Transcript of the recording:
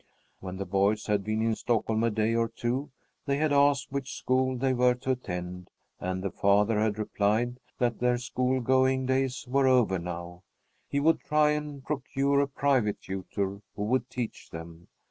When the boys had been in Stockholm a day or two, they had asked which school they were to attend, and the father had replied that their school going days were over now. He would try and procure a private tutor who would teach them.